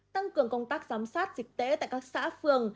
tăng cường công tác giám sát dịch tễ tại các xã phường